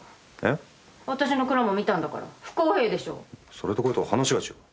「それとこれとは話が違う」